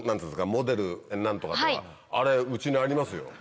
モデル何とかとかあれ家にありますよ。